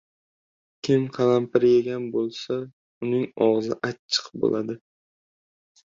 • Kim qalampir yegan bo‘lsa, uning og‘zi achchiq bo‘ladi.